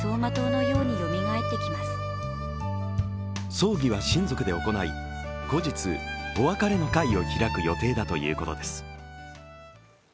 葬儀は親族で行い、後日、お別れの会を開く予定だということです。